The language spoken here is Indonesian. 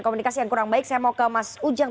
komunikasi yang kurang baik saya mau ke mas ujang